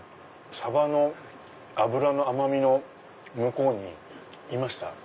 サバの脂の甘みの向こうにいました。